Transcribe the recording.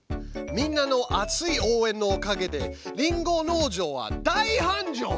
みんなの熱い応えんのおかげでリンゴ農場は大はんじょう」。